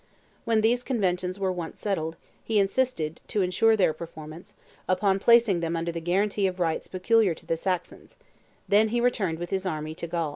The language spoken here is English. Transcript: When these conventions were once settled, he insisted, to insure their performance, upon placing them under the guarantee of rites peculiar to the Saxons; then he returned with his army to Gaul."